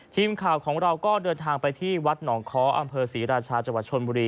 ทีมข่าวของเราก็เดินทางไปที่วัดหนองค้ออำเภอศรีราชาจังหวัดชนบุรี